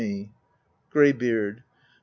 Greybeard. 22.